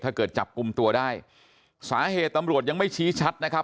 จับกลุ่มตัวได้สาเหตุตำรวจยังไม่ชี้ชัดนะครับ